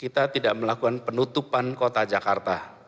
kita tidak melakukan penutupan kota jakarta